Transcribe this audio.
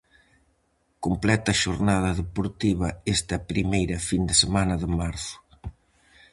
Completa xornada deportiva esta primeira fin de semana de marzo.